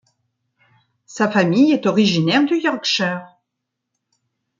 Sa famille est originaire du Yorkshire.